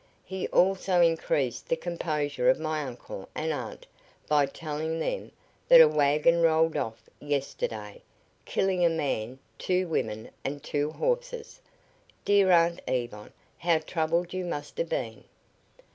He also increased the composure of my uncle and aunt by telling them that a wagon rolled off yesterday, killing a man, two women and two horses. Dear Aunt Yvonne, how troubled you must have been."